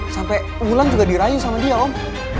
sampai unggulan juga dirayu sama dia om